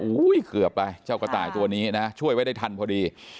เกือบไปเจ้ากระต่ายตัวนี้นะช่วยไว้ได้ทันพอดี